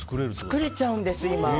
作れちゃうんです、今。